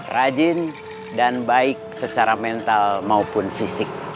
rajin dan baik secara mental maupun fisik